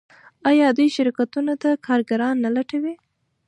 آیا دوی شرکتونو ته کارګران نه لټوي؟